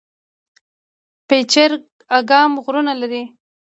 پچیر اګام غرونه لري؟